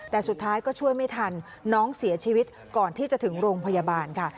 แต่สุดท้ายก็ช่วยไม่ทันน้องเสียชีวิตก่อนที่จะถึงโรงพยาบาลค่ะ